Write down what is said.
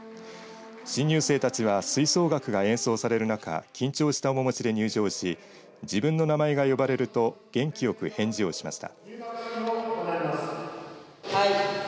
新入生たちは吹奏楽が演奏される中緊張した面持ちで入場し自分の名前が呼ばれると元気よく返事をしました。